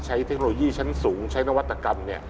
เทคโนโลยีชั้นสูงใช้นวัตกรรม